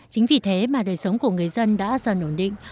chính vì thế mà đời sống của người dân đã dần ổn định